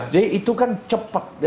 jadi itu kan cepet